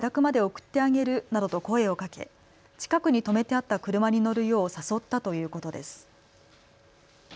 その際、吉田容疑者が終電だから車で自宅まで送ってあげるなどと声をかけ近くに止めてあった車に乗るよう誘ったということです。